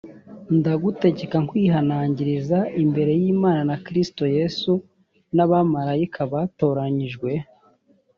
ndagutegeka nkwihanangiriza imbere y imana na kristo yesu n abamarayika batoranyijwe